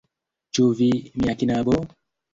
Ĉu vi, mia knabo?